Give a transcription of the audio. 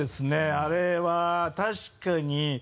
あれは確かに。